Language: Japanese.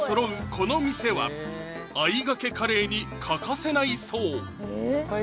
この店はあいがけカレーに欠かせないそうえ？